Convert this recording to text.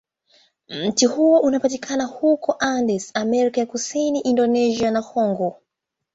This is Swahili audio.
Mti huo unapatikana huko Andes, Amerika ya Kusini, Indonesia, na Kongo.